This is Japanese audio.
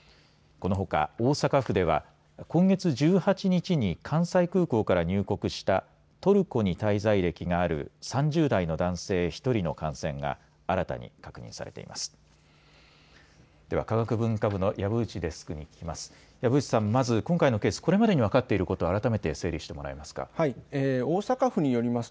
このほか大阪府では今月１８日に関西空港から入国したトルコに滞在歴がある３０代の男性１人の感染が新たに確認されています。